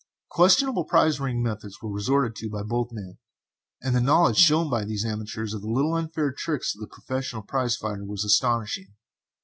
Questionable prize ring methods were resorted to by both men, and the knowledge shown by these amateurs of the little unfair tricks of the professional prize fighter was astonishing.